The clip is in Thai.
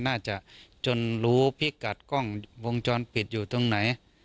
น่าจะจนรู้พิกัดกล้องวงจรปิดอยู่ตรงไหน